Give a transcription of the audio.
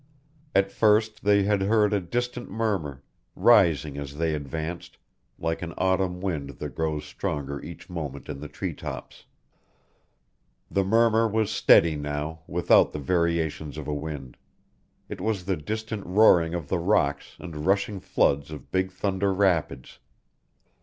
At first they had heard a distant murmur, rising as they advanced, like an autumn wind that grows stronger each moment in the tree tops. The murmur was steady now, without the variations of a wind. It was the distant roaring of the rocks and rushing floods of Big Thunder Rapids.